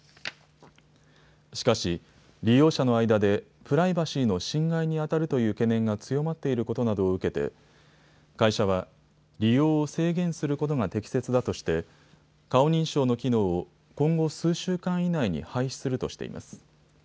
しかし利用者の間でプライバシーの侵害に当たるという懸念が強まっていることなどを受けて会社は利用を制限することが適切だとして顔認証の機能を今後、数週間以内に廃止するとしています。